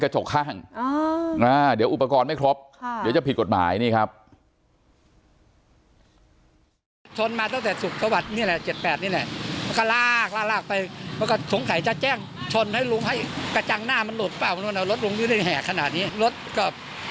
ชนมาตั้งแต่สุขวัฒน์นี้แหละ